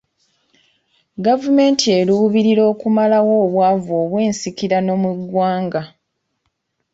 Gavumenti eruubirira okumalawo obwavu obwensikirano mu ggwanga.